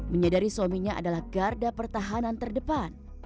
menyadari suaminya adalah garda pertahanan terdepan